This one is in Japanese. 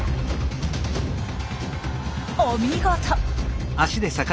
お見事！